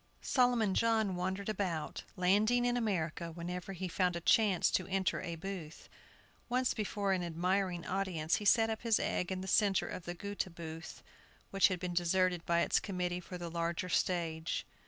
Solomon John wandered about, landing in America whenever he found a chance to enter a booth. Once before an admiring audience he set up his egg in the centre of the Goethe Booth, which had been deserted by its committee for the larger stage.